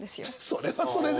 それはそれで。